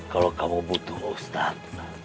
kalau kamu butuh ustadz